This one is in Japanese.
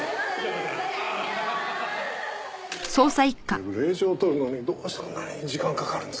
警部令状取るのにどうしてこんなに時間かかるんですか？